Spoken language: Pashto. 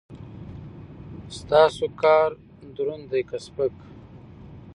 ستاسو کار دروند دی که سپک؟